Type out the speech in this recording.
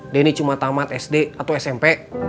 denny cuma tamat sd atau smp